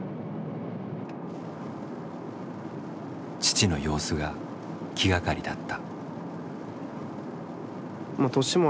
父の様子が気がかりだった。